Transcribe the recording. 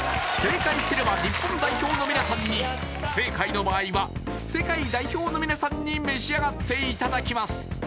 正解すれば日本代表の皆さんに不正解の場合は世界代表の皆さんに召し上がっていただきます